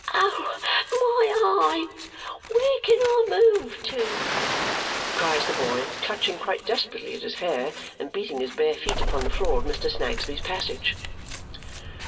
"Oh, my eye! Where can I move to!" cries the boy, clutching quite desperately at his hair and beating his bare feet upon the floor of Mr. Snagsby's passage.